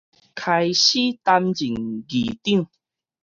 開始擔任議長